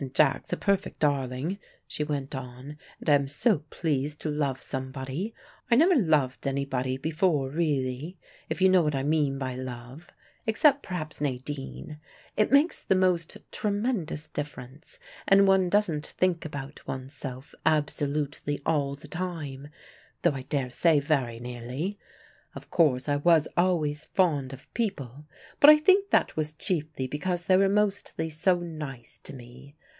"And Jack's a perfect darling," she went on, "and I am so pleased to love somebody. I never loved anybody before really, if you know what I mean by love, except perhaps Nadine. It makes the most tremendous difference, and one doesn't think about oneself absolutely all the time, though I daresay very nearly. Of course I was always fond of people, but I think that was chiefly because they were mostly so nice to me.